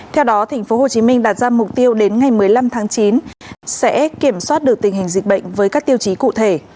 theo đó thành phố hồ chí minh đạt ra mục tiêu đến ngày một mươi năm tháng chín sẽ kiểm soát được tình hình dịch bệnh với các tiêu chí cụ thể